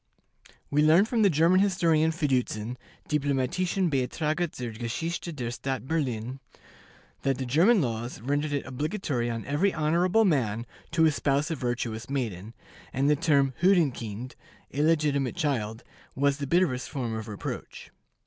We learn from the German historian Fiducin ("Diplomatischen Beitrage zur Geschichte der Stadt Berlin"), that the German laws rendered it obligatory on every honorable man to espouse a virtuous maiden, and the term "hurenkind" (illegitimate child) was the bitterest form of reproach.